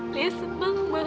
dia seneng banget